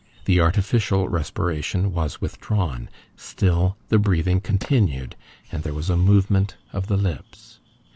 The artificial respiration was withdrawn: still the breathing continued, and there was a movement of the lips.